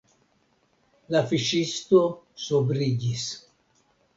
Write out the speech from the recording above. La fiŝisto sobriĝis.